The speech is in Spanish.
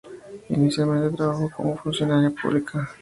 Inicialmente trabajó como funcionaria pública.